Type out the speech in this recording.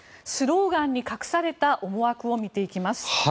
スローガンに隠された思惑を見ていきます。